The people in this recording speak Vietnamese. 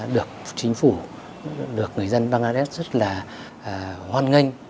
được chính phủ được người dân bangladesh rất là hoan nghênh